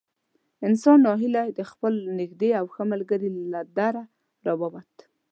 انسان نا هیلی د خپل نږدې او ښه ملګري له دره را ووت.